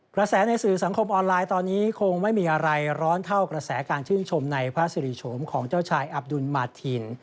กระแสในสื่อสังคมออนไลน์ตอนนี้คงไม่มีอะไรร้อนเท่ากระแสการชื่นชมในพระศิริโฉมของเจ้าชายอับดุลมาทีน